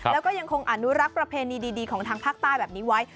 แล้วก็ยังคงอนุรักษ์ประเพณีดีของทางภาคใต้แบบนี้ไว้